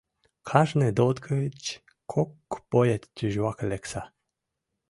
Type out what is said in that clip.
— Кажне ДОТ гыч кок боец тӱжваке лекса!